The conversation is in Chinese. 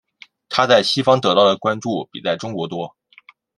她在西方得到的关注比在中国多。